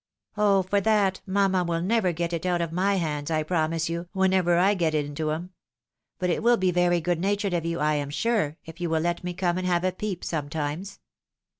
" Oh ! for that, mamma will never get it out of my hands, I promise you, whenever I get it into 'em. But it will be very good natured of you, I am sure, if you will let me come and have a peep sometimes."